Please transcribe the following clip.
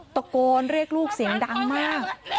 ตะโกนเรียกลูกเสียงดังมาก